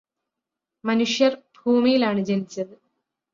മനുഷ്യർ ഭൂമിയിലാണ് ജനിച്ചത്